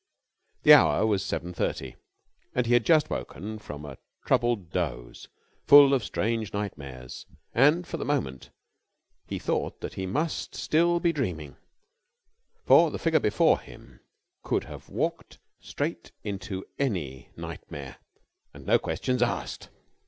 The hour was seven thirty and he had just woken from a troubled doze, full of strange nightmares, and for the moment he thought that he must still be dreaming, for the figure before him could have walked straight into any nightmare and no questions asked.